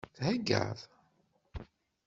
Theggaḍ?